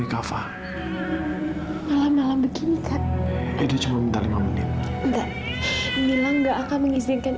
karena edo itu begitu licik